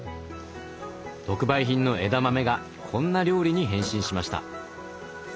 特売品の枝豆がこんな料理に変身しました。